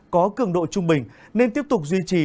có cường độ trung bình nên tiếp tục duy trì